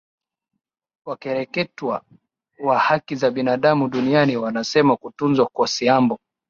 wakereketwa wa haki za binadamu duniani wanasema kutuzwa kwa siambo